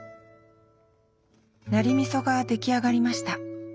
ナリ味噌が出来上がりました。